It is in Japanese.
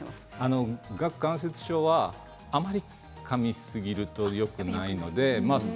顎関節症はあまりかみすぎるとよくないですね。